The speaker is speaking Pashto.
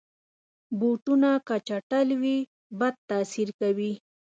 بوټونه که چټل وي، بد تاثیر کوي.